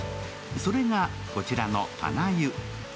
それがこちらの棚湯。